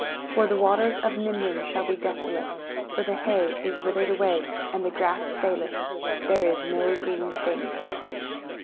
23:015:006 For the waters of Nimrim shall be desolate: for the hay is withered away, the grass faileth, there is no green thing.